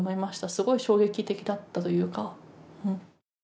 すごい衝撃的だったというか。